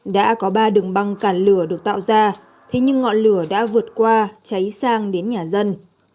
đã có ba đường băng cản lửa được tạo ra thế nhưng ngọn lửa đã vượt qua cháy sang đến nhà dân